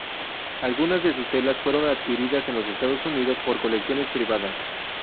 Algunas de sus telas fueron adquiridas en los Estados Unidos por colecciones privadas.